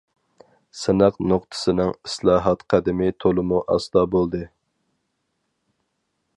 سىناق نۇقتىسىنىڭ ئىسلاھات قەدىمى تولىمۇ ئاستا بولدى.